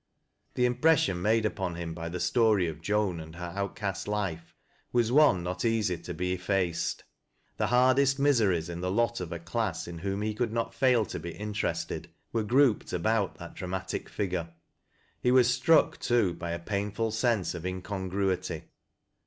The im pression made upon him by the story of Joan and her outcast life was one not easy to be effaced. The hard est miseries in the lot of a class in whom he could not fail to be interested, were grouped abo: ,t that dramatic figure. He was struck, too, by a painful sense of incon gruity.